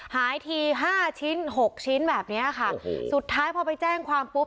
หายทีห้าชิ้นหกชิ้นแบบเนี้ยค่ะสุดท้ายพอไปแจ้งความปุ๊บ